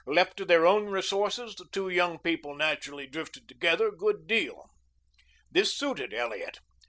Left to their own resources the two young people naturally drifted together a good deal. This suited Elliot.